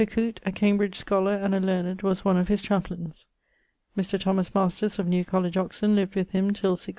Coote (a Cambridge scholar and a learned) was one of his chaplains. Mr. Thomas Masters, of New College, Oxon, lived with him till 1642.